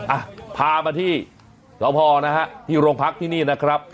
อ่ะพามาที่สพนะฮะที่โรงพักที่นี่นะครับ